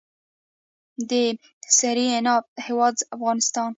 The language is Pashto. د سرې عناب هیواد افغانستان.